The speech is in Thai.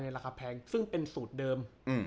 ราคาแพงซึ่งเป็นสูตรเดิม